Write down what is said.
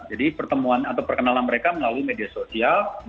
pertemuan atau perkenalan mereka melalui media sosial